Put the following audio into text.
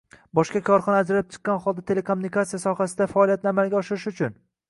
boshqa korxona ajralib chiqqan holda telekommunikatsiya sohasida faoliyatni amalga oshirish uchun